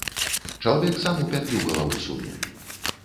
Чалавек сам у пятлю галаву суне.